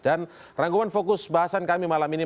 dan rangguman fokus bahasan kami malam ini